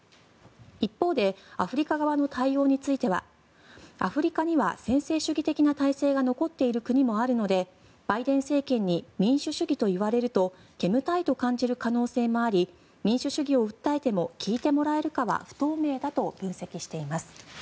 一方でアフリカ側の対応についてはアフリカには専制主義的な体制が残っている国もあるのでバイデン政権に民主主義といわれると煙たいと感じる可能性もあり民主主義を訴えても聞いてもらえるかは不透明だと分析しています。